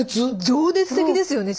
情熱的ですよね。